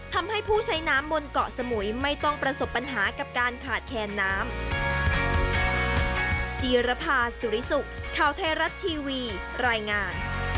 ทำให้ผู้ใช้น้ำบนเกาะสมุยไม่ต้องประสบปัญหากับการขาดแคนน้ำ